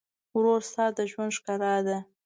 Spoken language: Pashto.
ورور ستا د ژوند ښکلا ده.